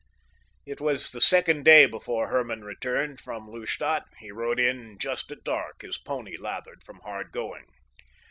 It was the second day before Herman returned from Lustadt. He rode in just at dark, his pony lathered from hard going.